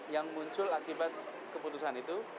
yang muncul akibat keputusan itu